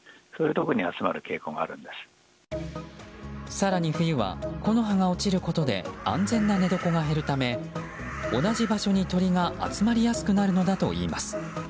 更に冬は木の葉が落ちることで安全な寝床が減るため同じ場所に鳥が集まりやすくなるのだといいます。